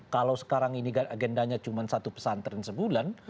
kalau sekarang ini agendanya cuma satu pesantren sebulan